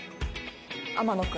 天野君。